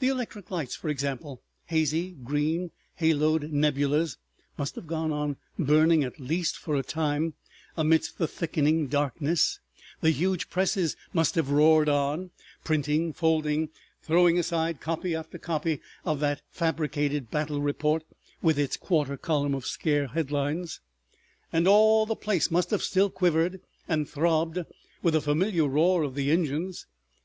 The electric lights, for example, hazy green haloed nebulas, must have gone on burning at least for a time; amidst the thickening darkness the huge presses must have roared on, printing, folding, throwing aside copy after copy of that fabricated battle report with its quarter column of scare headlines, and all the place must have still quivered and throbbed with the familiar roar of the engines.